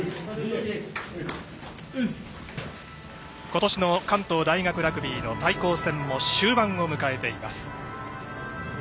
今年の関東大学ラグビーの対抗戦も終盤を迎えています。